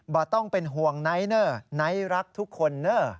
ต้องเป็นห่วงไนท์เนอร์ไนท์รักทุกคนเนอร์